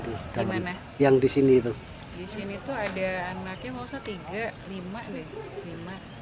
disini tuh ada anaknya nggak usah tiga lima deh